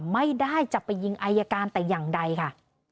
ไม่ได้จะไปยิงอายการแต่อย่างใดค่ะ